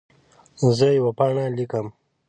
زه یوه پاڼه لیکم.